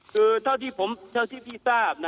คือเท่าที่พี่ทราบ